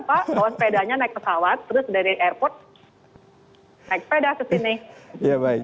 bawa sepedanya naik pesawat terus dari airport naik sepeda ke sini